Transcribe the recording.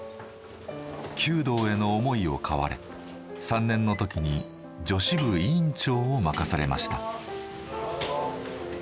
弓道への思いを買われ３年の時に女子部委員長を任されました。